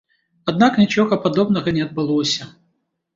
Аднак нічога падобнага не адбылося.